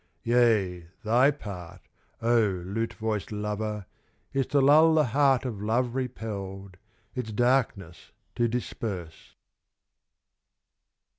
Yea, thy part, Oh, lute voiced lover! is to lull the heart Of love repelled, its darkness to disperse.